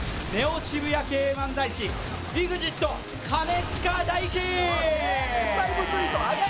渋谷系漫才師ＥＸＩＴ、兼近大樹。